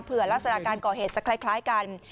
ลักษณะการก่อเหตุจะคล้ายกัน